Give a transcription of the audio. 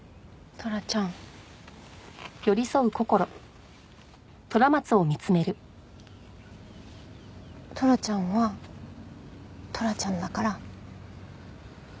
トラちゃんはトラちゃんだから大丈夫。